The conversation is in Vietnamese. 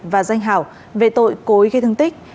và danh hảo về tội cối gây thương tích